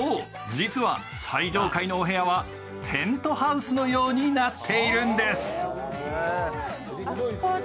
実は最上階のお部屋はペントハウスのようになっているんですあっ